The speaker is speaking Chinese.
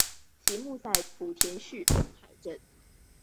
其墓在莆田市东海镇。